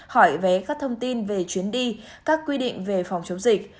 hỏi vé các thông tin về chuyến đi các quy định về phòng chống dịch